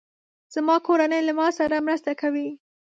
زما کورنۍ له ما سره مرسته کوي.